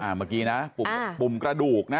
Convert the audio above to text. เมื่อกี้นะปุ่มกระดูกนะ